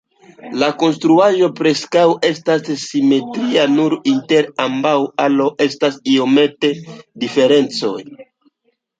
La konstruaĵo preskaŭ estas simetria, nur inter ambaŭ aloj estas iomete diferencoj.